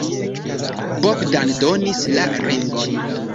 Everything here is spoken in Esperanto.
Bogdan donis la ringon.